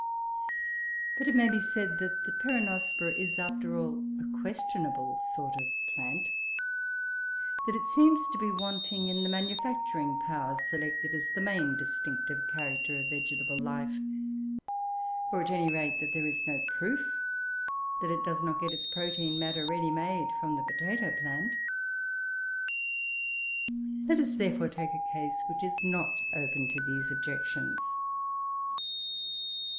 But it may be said that the Peronospora is, after all, a questionable sort of plant; that it seems to be wanting in the manufacturing power, selected as the main distinctive character of vegetable life; or, at any rate, that there is no proof that it does not get its protein matter ready made from the potato plant. Let us, therefore, take a case which is not open to these objections.